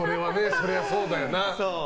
そりゃそうだよな。